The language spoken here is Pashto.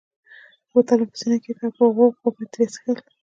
بوتل مې پر سینه کښېښود او په غوړپ غوړپ مې ترې څښل.